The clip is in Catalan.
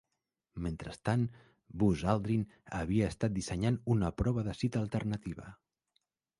Mentrestant, Buzz Aldrin havia estat dissenyant una prova de cita alternativa.